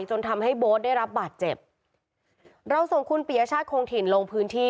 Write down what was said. จนทำให้โบ๊ทได้รับบาดเจ็บเราส่งคุณปียชาติคงถิ่นลงพื้นที่